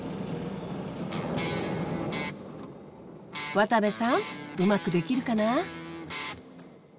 渡部さんうまくできるかな？